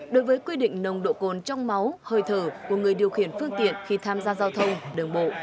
đối với quy định nồng độ cồn trong máu hơi thở của người điều khiển phương tiện khi tham gia giao thông đường bộ